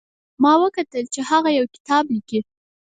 ما وکتل چې هغه یو کتاب لیکي